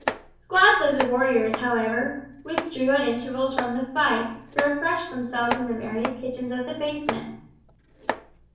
Squads of the warriors, however, withdrew at intervals from the fight, to refresh themselves in the various kitchens of the basement.